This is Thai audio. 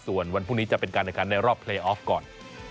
ส่วนวันพรุ่งนี้จะเป็นการแข่งขันในรอบเพลย์ออฟก่อน